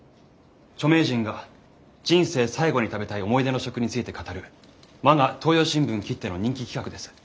著名人が人生最後に食べたい思い出の食について語る我が東洋新聞きっての人気企画です。